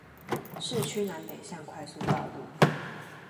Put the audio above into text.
市區南北向快速道路